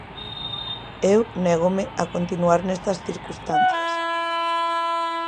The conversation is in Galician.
Eu négome a continuar nestas circunstancias.